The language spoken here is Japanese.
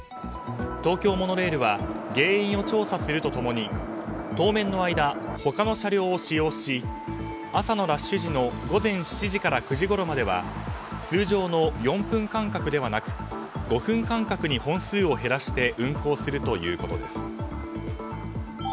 東京モノレールは原因を調査すると共に当面の間、他の車両を使用し朝のラッシュ時の午前７時から９時ごろまでは通常の４分間隔ではなく５分間隔に本数を減らして運行するということです。